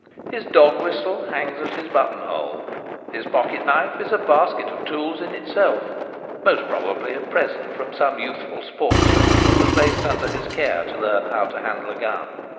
His dog whistle hangs at his buttonhole. His pocket knife is a basket of tools in itself, most pro bably a present from some youthful sportsman who was placed under his care to learn how to handle a gun.